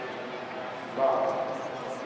Teḥma.